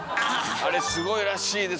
あれすごいらしいですよね。